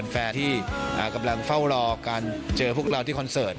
แฟนที่กำลังเฝ้ารอการเจอพวกเราที่คอนเสิร์ต